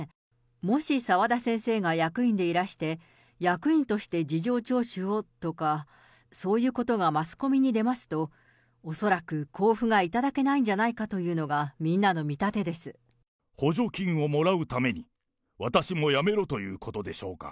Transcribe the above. もし澤田先生が役員でいらして、役員として事情聴取をとか、そういうことがマスコミに出ますと、恐らく交付が頂けないんじゃないかというのが、補助金をもらうために、私も辞めろということでしょうか。